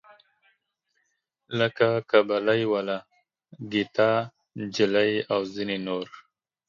لکه کابلی والا، ګیتا نجلي او ځینې نور.